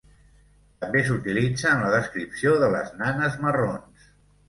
També s'utilitza en la descripció de les nanes marrons.